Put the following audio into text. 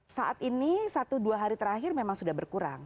saat ini satu dua hari terakhir memang sudah berkurang